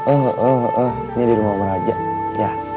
ini di rumah om raja ya